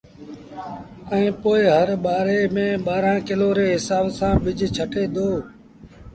ائيٚݩ پو هر ٻآري ميݩ ٻآرآݩ ڪلو ري هسآب سآݩ ٻج ڇٽي دو